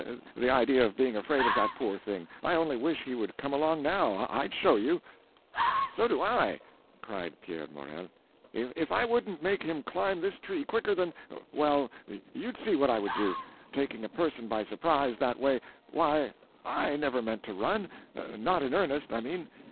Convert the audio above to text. the idea of being afraid of that poor thing! I only wish he would come along now—I'd show you!" "So do I!" cried Pierre Morel. "If I wouldn't make him climb this tree quicker than—well, you'd see what I would do! Taking a person by surprise, that way—why, I never meant to run; not in earnest, I mean.